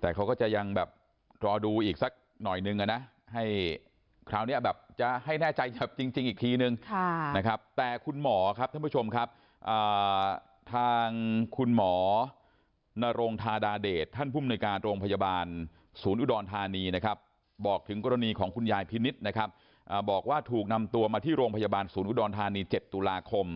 แต่เขาก็จะยังแบบรอดูอีกสักหน่อยนึงนะให้คราวนี้แบบจะให้แน่ใจจริงอีกทีนึงนะครับแต่คุณหมอครับท่านผู้ชมครับทางคุณหมอนรงธาดาเดชท่านผู้มนุยการโรงพยาบาลศูนย์อุดรธานีนะครับบอกถึงกรณีของคุณยายพินิษฐ์นะครับบอกว่าถูกนำตัวมาที่โรงพยาบาลศูนย์อุดรธานี๗ตุลาคม